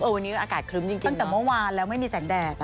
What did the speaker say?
เออวันนี้อากาศคลึ้มจริงจริงฟะตั้งแต่เมื่อวานแล้วไม่มีแสงแดดอ่ะ